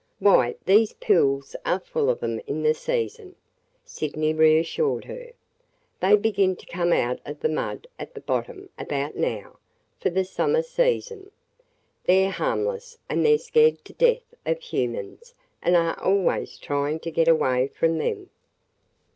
"Why these pools are full of 'em in the season," Sydney reassured her. "They begin to come out of the mud at the bottom about now, for the summer season. They 're harmless and they 're scared to death of humans and are always trying to get away from them.